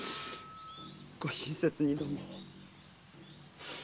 ご親切にどうも。